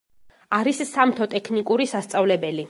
არის სამთო ტექნიკური სასწავლებელი.